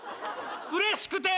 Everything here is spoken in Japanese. うれしくて。